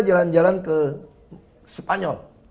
jalan jalan ke spanyol